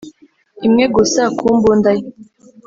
imwe gusa ku mbunda ye